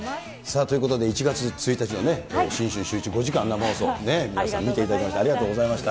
ということで、１月１日の新春シューイチ５時間生放送、皆さん、見ていただきまして、ありがとうございました。